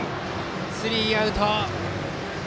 スリーアウト。